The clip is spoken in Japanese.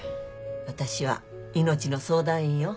私はいのちの相談員よ